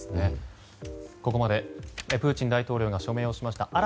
ここまでプーチン大統領が署名をしました